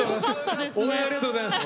応援ありがとうございます。